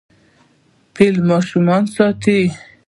فیل ماشوم ساتي.